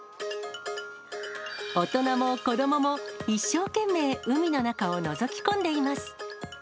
大人も子どもも一生懸命海の中をのぞき込んでいます。